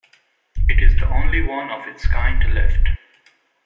It is the only one of its kind left.